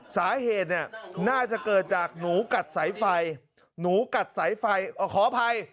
สาเหตุเนี่ยน่าจะเกิดจากหนูกัดสายไฟหนูกัดสายไฟขออภัย